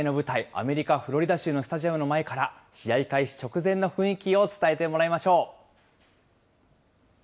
その試合の舞台、アメリカ・フロリダ州のスタジアムの前から、試合開始直前の雰囲気を伝えてもらいましょう。